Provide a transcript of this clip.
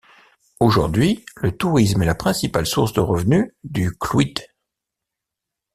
Aujourd’hui, le tourisme est la pricipale source de revenus du Clwyd.